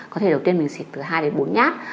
có thể đầu tiên mình xịt từ hai đến bốn nhát